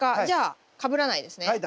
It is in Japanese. じゃあかぶらないですね。